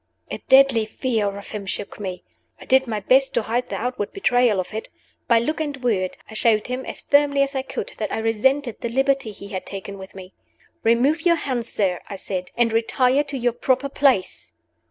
A deadly fear of him shook me. I did my best to hide the outward betrayal of it. By look and word, I showed him, as firmly as I could, that I resented the liberty he had taken with me. "Remove your hands, sir," I said, "and retire to your proper place."